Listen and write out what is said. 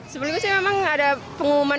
sebelum ini memang ada pengumuman